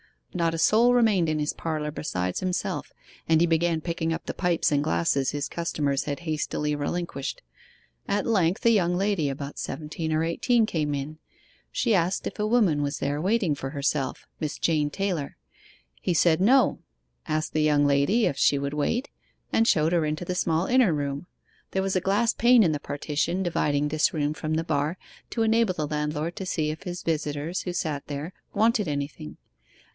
'Not a soul remained in his parlour besides himself, and he began picking up the pipes and glasses his customers had hastily relinquished. At length a young lady about seventeen or eighteen came in. She asked if a woman was there waiting for herself Miss Jane Taylor. He said no; asked the young lady if she would wait, and showed her into the small inner room. There was a glass pane in the partition dividing this room from the bar to enable the landlord to see if his visitors, who sat there, wanted anything.